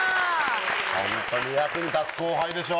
ホントに役に立つ後輩でしょ。